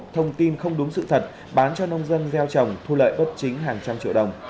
thông tin không đúng sự thật bán cho nông dân gieo trồng thu lợi bất chính hàng trăm triệu đồng